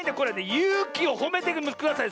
ゆうきをほめてください。